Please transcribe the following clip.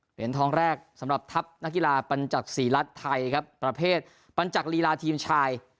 เหรียญทองแรกสำหรับทัพนักกีฬาปัญจักษีรัฐไทยครับประเภทปัญจักรีลาทีมชาย